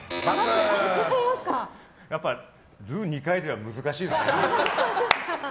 やっぱり、ルが２回では難しいですね。